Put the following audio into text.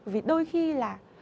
vì đôi khi là